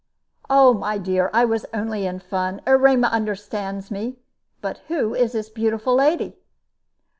"My dear, I was only in fun. Erema understands me. But who is this beautiful lady?"